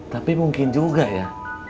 tapi mungkin juga ya